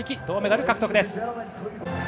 銅メダル獲得です。